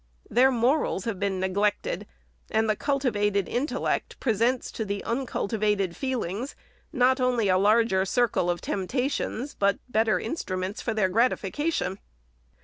Their morals have been neglected, and the cultivated intellect presents to the uncultivated feelings, not only a larger circle of temptations, but better instruments for their gratification.